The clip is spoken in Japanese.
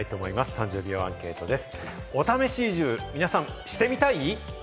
３０秒アンケートです。